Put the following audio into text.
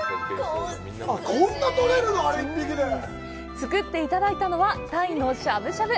作っていただいたのは鯛のしゃぶしゃぶ。